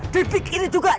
di peak ini juga